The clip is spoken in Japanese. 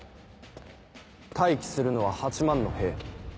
待機するのは８万の兵。